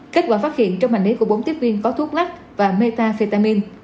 kết quả phát hiện trong hành lý của bốn tiếp viên có thuốc lắc và metafetamin